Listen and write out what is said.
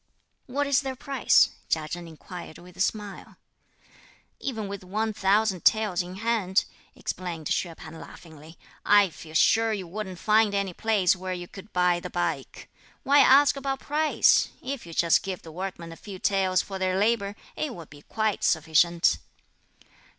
"What is their price?" Chia Chen inquired with a smile. "Even with one thousand taels in hand," explained Hsüeh P'an laughingly, "I feel sure you wouldn't find any place, where you could buy the like. Why ask about price? if you just give the workmen a few taels for their labour, it will be quite sufficient."